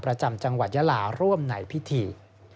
ประจำจังหวัดยาลาร่วมในพิธี